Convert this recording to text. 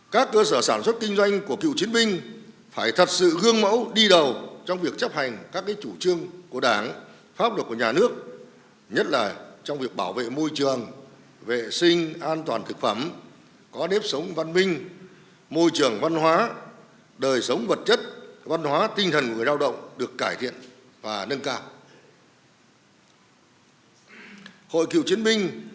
các cơ sở sản xuất kinh doanh của cựu chiến binh phải thật sự gương mẫu đi đầu trong việc chấp hành các chủ trương của đảng pháp luật của nhà nước nhất là trong việc bảo vệ môi trường vệ sinh an toàn thực phẩm có nếp sống văn minh môi trường văn hóa đời sống vật chất văn hóa tinh thần của người lao động được cải thiện